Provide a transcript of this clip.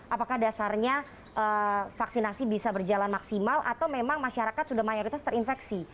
apakah dasarnya vaksinasi bisa berjalan maksimal atau memang masyarakat sudah mayoritas terinfeksi